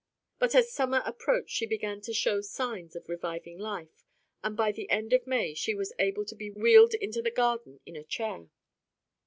But as the summer approached she began to show signs of reviving life, and by the end of May was able to be wheeled into the garden in a chair.